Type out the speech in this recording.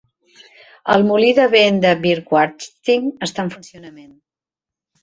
El molí de vent "De Verwachting" està en funcionament.